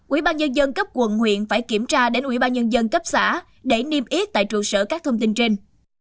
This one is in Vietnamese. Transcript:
ủy ban nhân dân cấp quận huyện phải kiểm tra đến ủy ban nhân dân cấp xã để niêm yết tại trụ sở các thông tin trên